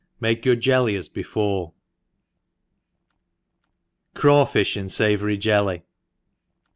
— Make your jeljy as before, .. Craw. Fish in Savory Jelly.